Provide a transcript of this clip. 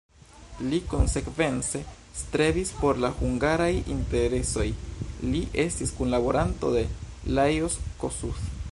Li konsekvence strebis por la hungaraj interesoj, li estis kunlaboranto de Lajos Kossuth.